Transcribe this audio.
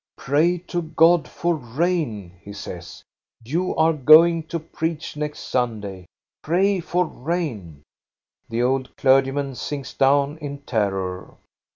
"Pray to God for rain," he says. "You are going to preach next Sunday. Pray for rain." The old clergyman sinks down in terror.